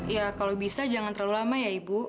ya kalau bisa jangan terlalu lama ya ibu